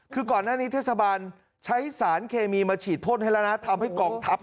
คือก่อนหน้านี้เทศบาลใช้สารเคมีมาฉีดพ่นให้แล้วนะทำให้กองทัพ